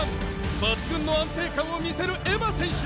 抜群の安定感を見せるエヴァ選手。